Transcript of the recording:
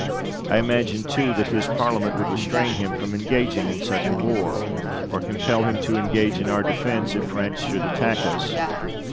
I imagined, too, that his Parliament would restrain him from engaging in such a war, or compel him to engage in our defence if France should attack us.